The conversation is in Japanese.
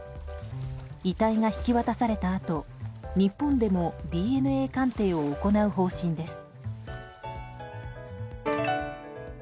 遺体が引き渡されたあと日本でもＤＮＡ鑑定を行う方針です。